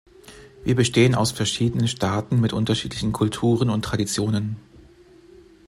Wir bestehen aus verschiedenen Staaten mit unterschiedlichen Kulturen und Traditionen.